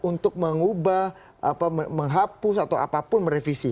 untuk mengubah menghapus atau apapun merevisi